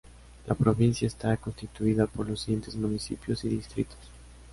La provincia está constituida por los siguientes municipios y distritos.